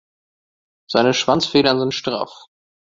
Seine Schwanzfedern sind straff.